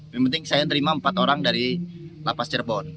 yang penting saya terima empat orang dari lapas cirebon